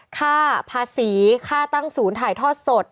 ค่าภาษีค่าตั้งศูนย์ถ่ายทอดสด